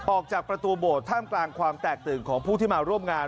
ออกจากประตูโบสถท่ามกลางความแตกตื่นของผู้ที่มาร่วมงาน